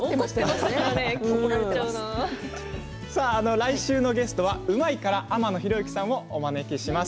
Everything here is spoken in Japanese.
来週のゲストは「うまいッ！」から天野ひろゆきさんをお招きします。